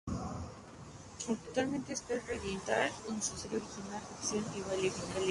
Actualmente espera reeditar su serie original de ficción, el Baile Final.